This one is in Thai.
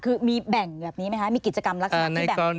คือมีแบ่งแบบนี้ไหมคะมีกิจกรรมลักษณะที่แบ่งแบ่งแบบนี้ไหมคะ